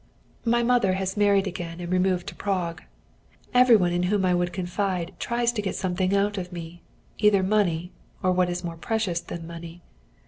My mother has married again and removed to Prague. Every one in whom I would confide tries to get something out of me either money, or what is more precious than money.